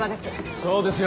そうですよ。